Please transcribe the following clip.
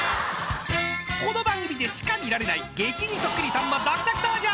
［この番組でしか見られない激似そっくりさんも続々登場］